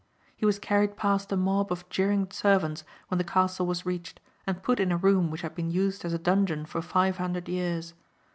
He was carried past a mob of jeering servants when the castle was reached and put in a room which had been used as a dungeon for five hundred years.